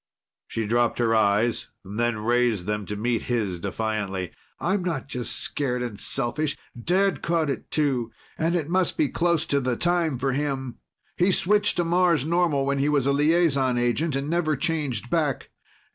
She dropped her eyes, then raised them to meet his defiantly. "I'm not just scared and selfish. Dad caught it, too, and it must be close to the time for him. He switched to Mars normal when he was a liaison agent and never changed back.